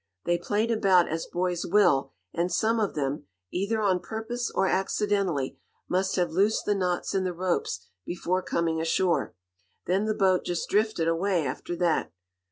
They played about, as boys will, and some of them, either on purpose or accidentally, must have loosed the knots in the ropes before coming ashore. Then the boat just drifted away after that."